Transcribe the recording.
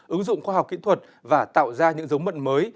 ứng dụng khoa học kỹ thuật và tạo ra những giống mận mới